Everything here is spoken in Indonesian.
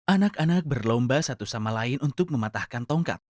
anak anak berlomba satu sama lain untuk mematahkan tongkat